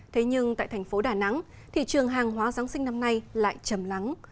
thế nhưng tại thành phố đà nẵng thị trường hàng hóa giáng sinh năm nay lại chầm lắng